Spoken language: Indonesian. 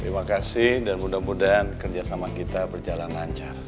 terima kasih dan mudah mudahan kerjasama kita berjalan lancar